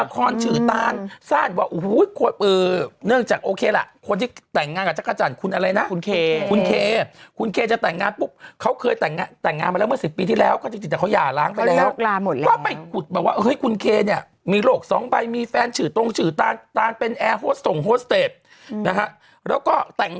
คุณคเอจะแต่งงานปุ๊บเขาเคยแต่งงานแต่งงานมาแล้วเมื่อสิบปีที่แล้วจริงจริงเขาย่าล้าง